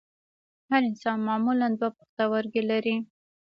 هر انسان معمولاً دوه پښتورګي لري